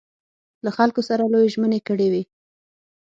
له خلکو سره لویې ژمنې کړې وې.